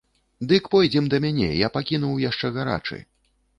Дык пойдзем да мяне, я пакінуў яшчэ гарачы.